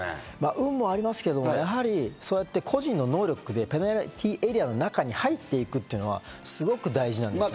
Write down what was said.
運もありますけど、個人の能力でペナルティーエリアの中に入っていくというのはすごく大事なんですね。